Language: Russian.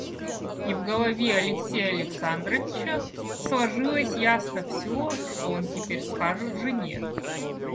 И в голове Алексея Александровича сложилось ясно всё, что он теперь скажет жене.